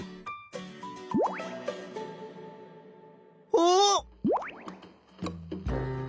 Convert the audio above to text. おっ！？